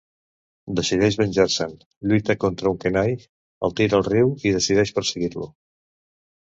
Decideix venjar-se'n, lluita contra en Kenai, el tira al riu i decideix perseguir-lo.